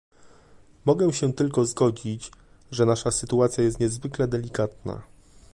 Mogę się tylko zgodzić, że nasza sytuacja jest niezwykle delikatna